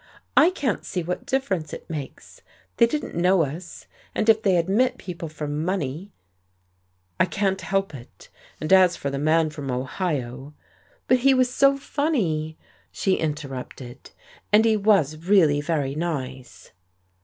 "I can't see what difference it makes. They didn't know us. And if they admit people for money " "I can't help it. And as for the man from Ohio " "But he was so funny!" she interrupted. "And he was really very nice."